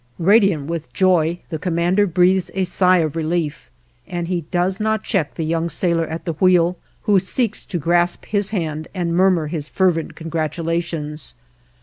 Radiant with joy, the commander breathes a sigh of relief, and he does not check the young sailor at the wheel, who seeks to grasp his hand and murmur his fervent congratulations.